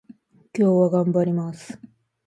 今日は頑張ります